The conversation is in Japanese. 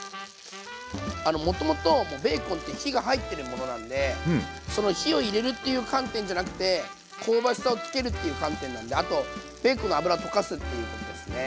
もともともうベーコンって火が入ってるものなんでその火を入れるっていう観点じゃなくて香ばしさをつけるっていう観点なんであとベーコンの脂を溶かすっていうことですね。